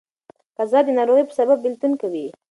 قضا د ناروغۍ په سبب بيلتون کوي.